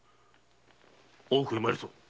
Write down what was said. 大奥へ参るぞ！